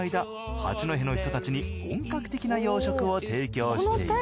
八戸の人たちに本格的な洋食を提供している。